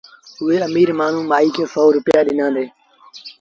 اُئي اميٚر مآڻهوٚٚݩ مآئيٚ کي سو روپيآ ڏنآݩدي